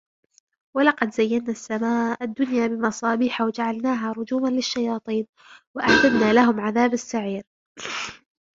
ولقد زينا السماء الدنيا بمصابيح وجعلناها رجوما للشياطين وأعتدنا لهم عذاب السعير